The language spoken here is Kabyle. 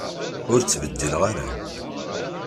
Ur ttebeddileɣ ara.